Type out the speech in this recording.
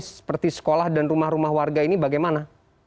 seperti sekolah dan rumah rumah warga ini bagaimana